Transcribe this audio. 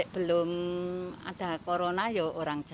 belum ada corona orang jogja